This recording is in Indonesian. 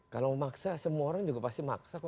kalau memaksa semua orang juga pasti maksa kok